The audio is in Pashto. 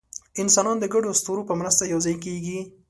انسانان د ګډو اسطورو په مرسته یوځای کېږي.